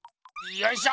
よいしょ！